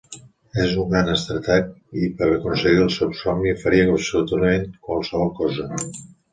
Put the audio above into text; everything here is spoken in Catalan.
És un gran estrateg i per aconseguir el seu somni faria absolutament qualsevol cosa.